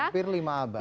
hampir lima abad